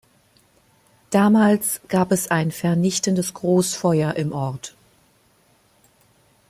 Damals gab es ein vernichtendes Großfeuer im Ort.